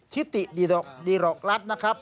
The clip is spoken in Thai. คิติดีรกฤษนะครับ